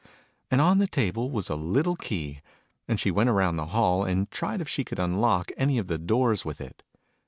and on the table was a little kev : and she went round the hall, and tried if she could unlock anv of the doors with it.